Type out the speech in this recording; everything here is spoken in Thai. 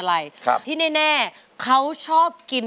สวัสดีครับ